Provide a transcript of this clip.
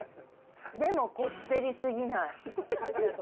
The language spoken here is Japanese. でも、こってりすぎない。